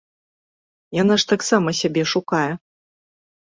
Яна ж таксама сябе шукае!